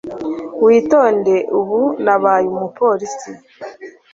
witonde ubu nabaye umupolisi